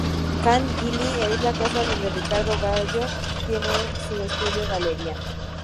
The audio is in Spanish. Ca´n Gili es la casa donde Ricardo Gago tiene su estudio galería.